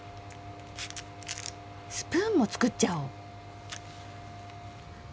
スプーンも作っちゃおう！